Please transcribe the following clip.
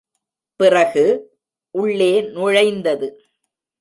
பிறகு, உள்ளே நுழைந்தது.